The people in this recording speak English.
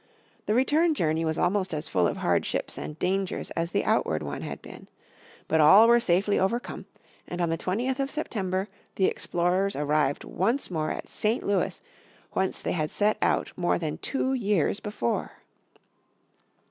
The return journey was almost as full of hardships and dangers as the outward one had been. But all were safely overcome and on the 20th of September the explorers arrived once more at St. Louis whence they had set out more than two years before.